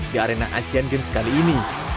di arena asian games kali ini